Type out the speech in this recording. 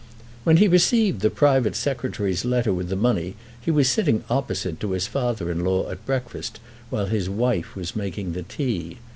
When he received the private Secretary's letter with the money he was sitting opposite to his father in law at breakfast, while his wife was making the tea.